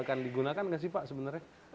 pak ini pakan digunakan nggak sih pak sebenarnya